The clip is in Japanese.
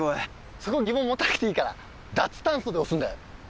そこ疑問持たなくていいから「ダツタンソ」で押すんだよ。